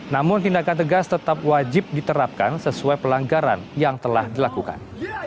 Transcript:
namun tindakan tegas tetap wajib diterapkan sesuai pelanggaran yang telah dilakukan